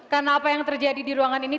karena apa yang terjadi di ruangan ini